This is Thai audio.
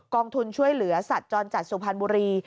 ทุนช่วยเหลือสัตว์จรจัดสุพรรณบุรี